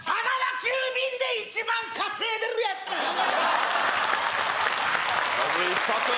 急便で一番稼いでるやつまず一発！